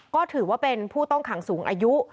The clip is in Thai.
ก็ถือว่าเป็นผู้ต้องขังสูงอายุ